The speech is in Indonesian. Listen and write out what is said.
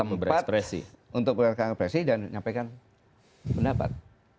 dan ada tempat untuk berpendapat dan nyampaikan pendapat